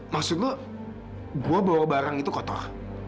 maksud lu gue bawa barang itu kotor